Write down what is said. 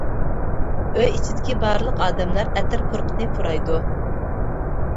ئۆي ئىچىدىكى بارلىق ئادەملەر ئەتىر پۇرىقىنى پۇرايدۇ.